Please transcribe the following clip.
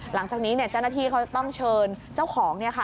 หลังจากนี้เจ้าหน้าที่เขาจะต้องเชิญเจ้าของ